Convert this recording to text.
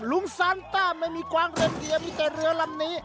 ลุงซานต้าไม่มีกวางเรนเดียมีแต่เรือลำนี้